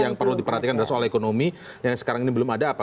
yang perlu diperhatikan adalah soal ekonomi yang sekarang ini belum ada apa